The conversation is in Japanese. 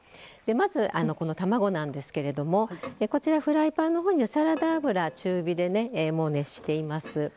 まず、卵なんですけれどもフライパンのほうにはサラダ油を中火でもう熱しています。